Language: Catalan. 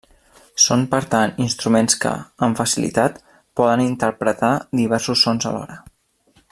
Són, per tant, instruments que, amb facilitat, poden interpretar diversos sons alhora.